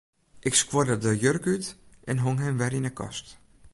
Ik skuorde de jurk út en hong him wer yn 'e kast.